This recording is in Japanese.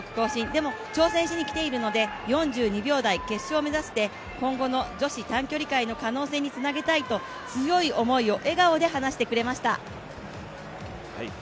でも、挑戦しに来ているので、４２秒台、決勝目指して今後の女子短距離界の可能性につなげたいと強い思いを笑顔で話してくれました。